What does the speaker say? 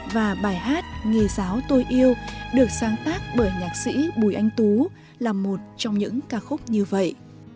và bài hát nghề giáo tôi yêu được sáng tác bởi nhạc sĩ bùi anh tú là một trong những ca khúc như vậy